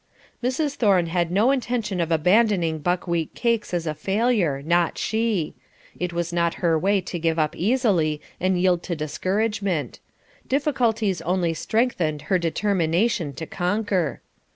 Mrs. Thorne had no intention of abandoning buckwheat cakes as a failure, not she; it was not her way to give up easily and yield to discouragement; difficulties only strengthened her determination to conquer.